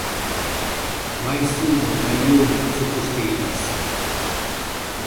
枚数も内容も不足しています